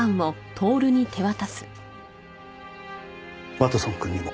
ワトソンくんにも。